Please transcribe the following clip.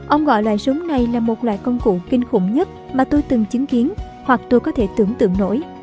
ông gọi loại súng này là một loại công cụ kinh khủng nhất mà tôi từng chứng kiến hoặc tôi có thể tưởng tượng nổi